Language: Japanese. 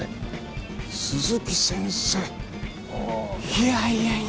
いやいやいや。